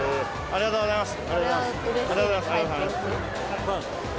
ありがとうございます。